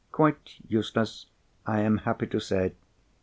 Quite useless, I am happy to say!